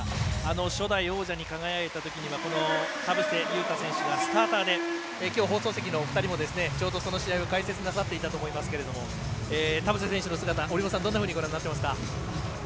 初代王者に輝いたときには田臥選手はスターターできょう放送席のお二人もちょうどその試合を解説なさっていたと思いますけど田臥選手の姿どういうふうにご覧になってますか？